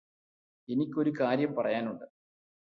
എനിക്കൊരു കാര്യം പറയാനുണ്ട്